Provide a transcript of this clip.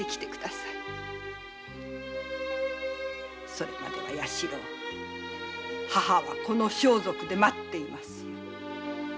それまでは弥四郎母はこの装束で待っています。